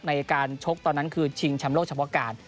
ในการชกตอนนั้นคือชิงแชมป์โลกเฉพาะการ